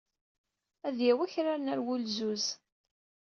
Ad awyeɣ akraren-a ɣer wulzuz.